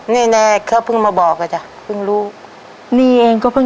นี่แน่เค้าเพิ่งมาบอกอะจ๊ะเพิ่งรู้